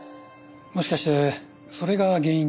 もしかしてそれが原因で。